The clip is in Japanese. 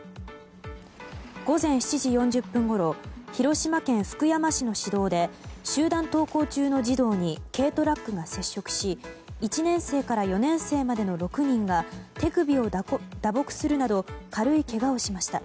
午前７時４０分ごろ広島県福山市の市道で集団登校中の児童に軽トラックが接触し１年生から４年生までの６人が手首を打撲するなど軽いけがをしました。